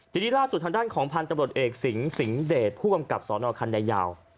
ทีนี้ล่าสุดทางด้านของพานตำรวจเอกสิงห์เสียงเดรทผู้กำกับสคัณธยาว